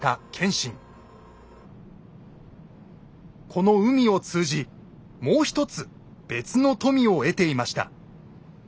この海を通じもう一つ別の富を得ていました。